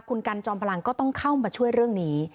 คุณกันจอมพลังก็ต้องเข้ามาช่วยเรื่องนี้